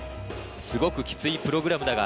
すごくキツいプログラムだが